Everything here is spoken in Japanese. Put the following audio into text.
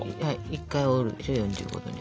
１回折るでしょ４５度に。